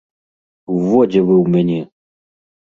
Во дзе вы ў мяне!